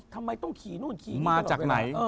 ทำไมต้องขี่นู่นขี่นี่